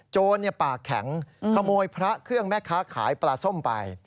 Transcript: โจรปากแข็งขโมยพระเครื่องแม่ค้าขายปลาส้มไป